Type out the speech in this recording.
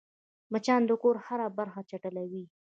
مچان د کور هره برخه چټلوي